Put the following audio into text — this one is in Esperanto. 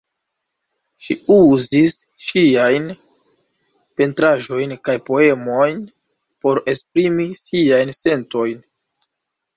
Ŝi uzis ŝiajn pentraĵojn kaj poemojn por esprimi siajn sentojn.